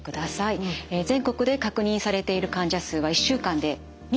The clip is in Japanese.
全国で確認されている患者数は１週間で２６人となっています。